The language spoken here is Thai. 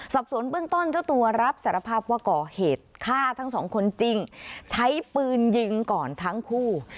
สอบสวนเบื้องต้นเจ้าตัวรับสารภาพว่าก่อเหตุฆ่าทั้งสองคนจริงใช้ปืนยิงก่อนทั้งคู่